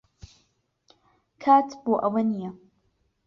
کات بۆ ئەوە نییە.